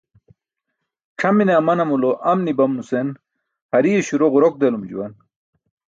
C̣ʰamine amanamulo am nibam nusan, hariye śuro ġurok delum juwan.